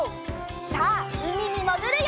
さあうみにもぐるよ！